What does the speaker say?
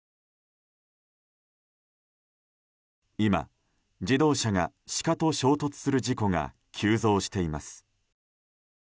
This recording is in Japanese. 今、自動車がシカと衝突する事故が急増しています。